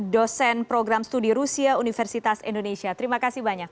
dosen program studi rusia universitas indonesia terima kasih banyak